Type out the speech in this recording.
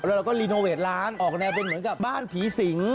แล้วเราก็รีโนเวทล้างออกแนวเป็นเหมือนกับบ้านผีสิง